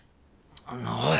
おい！